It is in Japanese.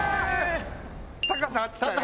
高さ合ってたね。